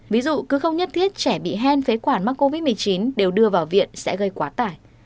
ví dụ cứ không nhất thiết trẻ bị hen phế quản mắc covid một mươi chín đều đưa vào viện sẽ gây quá tải